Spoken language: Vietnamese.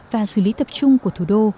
và xử lý tập trung của thủ đô